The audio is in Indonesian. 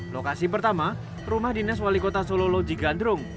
lokasi pertama rumah dinas wali kota solo loji gandrung